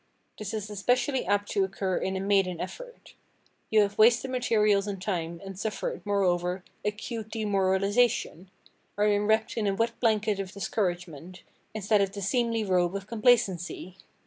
This is especially apt to occur in a maiden effort. You have wasted materials and time, and suffered, moreover, acute demoralization—are enwrapped in a wet blanket of discouragement, instead of the seemly robe of complacency.